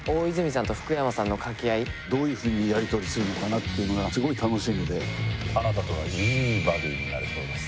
さんと福山さんの掛け合いどういうふうにやりとりするのかなっていうのがすごい楽しみであなたとはいいバディになれそうです